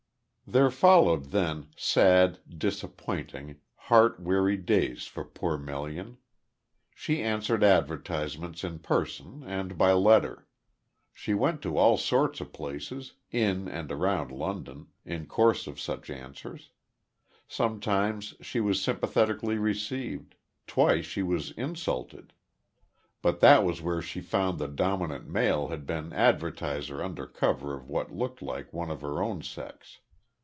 There followed then, sad, disappointing, heart weary days for poor Melian. She answered advertisements in person, and by letter. She went to all sorts of places, in and around London, in course of such answers. Sometimes she was sympathetically received, twice she was insulted, but that was where she found the dominant male had been advertiser under cover of what looked like one of her own sex.